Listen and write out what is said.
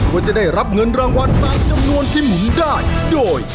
ว่าจะได้รับเงินรางวัลตามจำนวนที่หมุนได้โดย